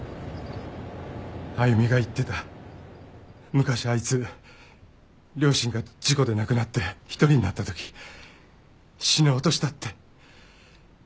昔あいつ両親が事故で亡くなって１人になったとき死のうとしたって。